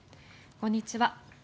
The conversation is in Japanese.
こんにちは。